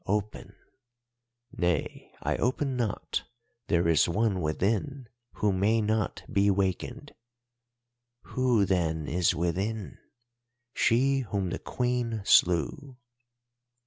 'Open.' "'Nay, I open not. There is one within who may not be wakened.' "'Who, then, is within?' "'She whom the Queen slew.